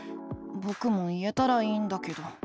ぼくも言えたらいいんだけど。